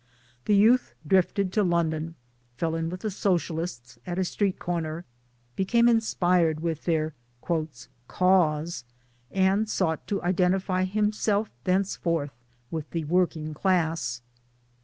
The youth drifted to London, fell in with the Socialists at a street corner, became inspired with their * cause,' and sought to identify himself thenceforth with the working class.